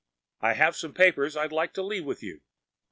I have some papers I’d like to leave with you.